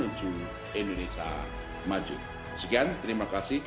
konsistensi inovasi dan sinergi kebijakan